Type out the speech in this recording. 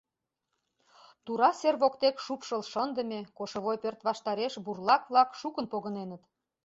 Тура сер воктек шупшыл шындыме кошевой пӧрт ваштареш бурлак-влак шукын погыненыт.